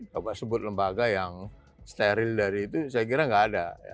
coba sebut lembaga yang steril dari itu saya kira nggak ada